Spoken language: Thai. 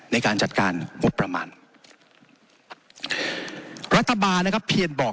ในการจัดการงบประมาณรัฐบาลนะครับเพียนบอก